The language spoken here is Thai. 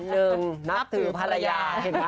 หนึ่งนับถือภรรยา